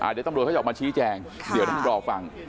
เดี๋ยวตำรวจเขาจะออกมาชี้แจงเดี๋ยวท่านรอฟัง